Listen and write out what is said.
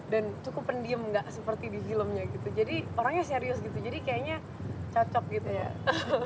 dan cukup pendiem gak seperti di filmnya gitu jadi orangnya serius gitu jadi kayaknya cocok gitu